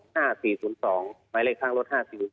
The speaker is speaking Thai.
หมายเลขทางรถ๕๔๐๒